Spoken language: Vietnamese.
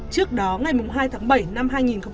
trước đó ngày hai tháng bảy năm hai nghìn hai mươi